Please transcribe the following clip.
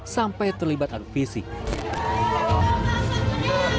sampai dikaburkan oleh penipuan yang berbeda